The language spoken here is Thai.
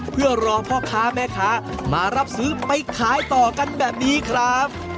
เพื่อรอพ่อค้าแม่ค้ามารับซื้อไปขายต่อกันแบบนี้ครับ